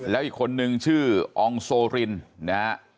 แล้วอีกคนนึงชื่อองโสริน